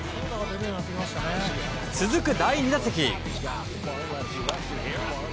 続く第２打席。